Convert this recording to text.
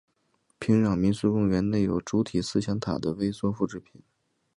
平壤民俗公园内有主体思想塔的微缩复制品。